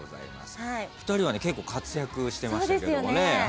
２人は結構活躍してましたけどもね。